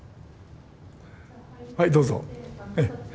はいどうぞ。